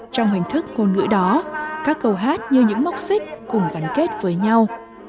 trong hình thức ngôn ngữ đó các câu hát như những móc xích cùng gắn kết với nhau